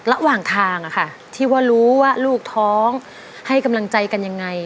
ระหว่างทางที่ว่ารู้ว่าลูกท้องให้กำลังใจกันยังไง